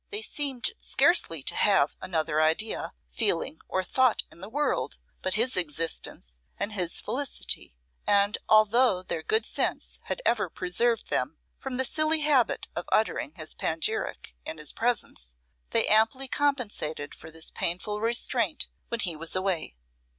They seemed scarcely to have another idea, feeling, or thought in the world, but his existence and his felicity; and although their good sense had ever preserved them from the silly habit of uttering his panegyric in his presence, they amply compensated for this painful restraint when he was away.